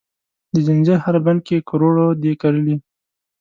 د ځنځیر هر بند کې کروړو دي کرلې،